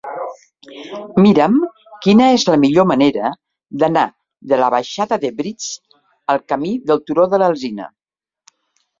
Mira'm quina és la millor manera d'anar de la baixada de Briz al camí del Turó de l'Alzina.